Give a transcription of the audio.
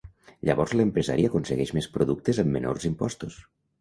Llavors l'empresari aconsegueix més productes amb menors impostos.